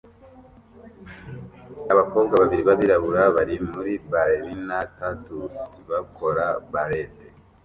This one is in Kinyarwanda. Abakobwa babiri b'Abirabura bari muri ballerina tutus bakora ballet